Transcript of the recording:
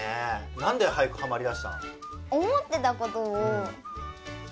なんで俳句ハマりだしたの？